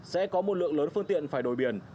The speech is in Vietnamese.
sẽ có một lượng lớn phương tiện phải đổi biển